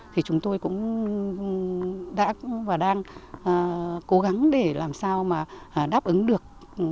thì chúng tôi cũng đã và đang cố gắng để làm sao mà đáp ứng được